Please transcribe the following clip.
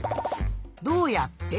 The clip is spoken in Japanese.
「どうやって」